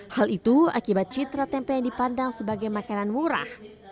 hal itu akibat citra tempe yang dipandang sebagai makanan murah